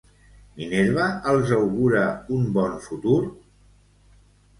Minerva els augura un bon futur?